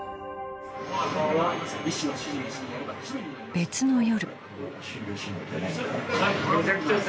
［別の夜］